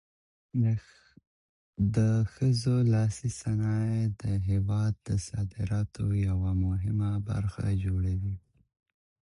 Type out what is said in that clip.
د ښځو لاسي صنایع د هېواد د صادراتو یوه مهمه برخه جوړوي